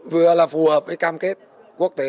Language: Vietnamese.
vừa là phù hợp với cam kết quốc tế